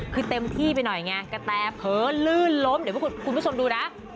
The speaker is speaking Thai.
คือเต็มที่ไปหน่อยไงกระแตเผลอลื่นล้มเดี๋ยวคุณผู้ชมดูนะ